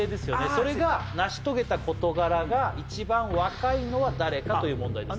それが成し遂げた事柄が一番若いのは誰かという問題です